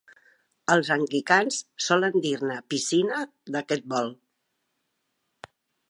Els anglicans solen dir-ne "piscina" d'aquest bol.